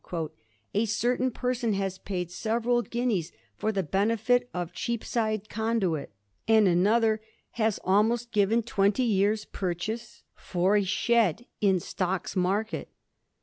* A certain person has paid several guineas for the benefit of Cheapside conduit, and another has almost given twenty years' purchase for a shed in Stocks Market.